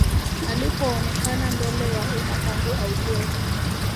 Alipoonekana mbele ya umma tangu augue